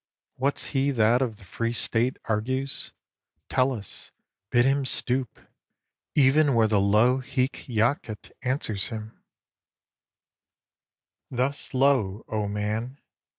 What's he that of The Free State argues? Tellus! bid him stoop, Even where the low hic jacet answers him; Thus low, O Man!